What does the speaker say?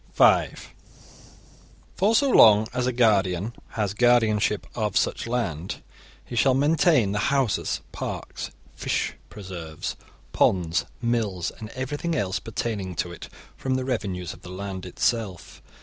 (5) For so long as a guardian has guardianship of such land, he shall maintain the houses, parks, fish preserves, ponds, mills, and everything else pertaining to it, from the revenues of the land itself.